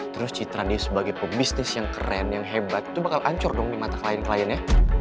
terus citra dia sebagai pebisnis yang keren yang hebat itu bakal ancur dong di mata klien kliennya